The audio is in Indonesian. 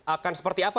akan seperti apa